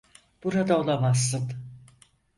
Burada olamazsın.